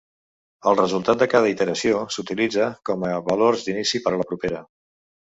El resultat de cada iteració s'utilitza com a valors d'inici per a la propera.